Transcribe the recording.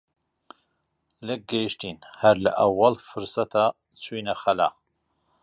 لێک گەیشتین هەر لە ئەووەڵ فرسەتا چووینە خەلا